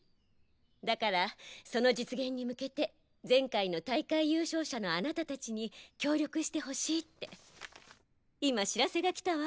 だからその実現に向けて前回の大会優勝者のあなたたちに協力してほしいって今知らせが来たわ。